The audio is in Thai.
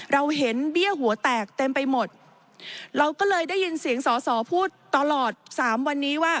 เราก็เลยได้ยินเสียงสอพูดตลอด๓วันนี้ว่า